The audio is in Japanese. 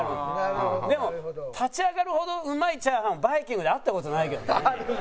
でも立ち上がるほどうまいチャーハンバイキングで会った事ないけどね。